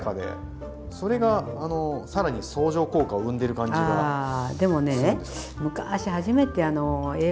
それがさらに相乗効果を生んでる感じがするんです。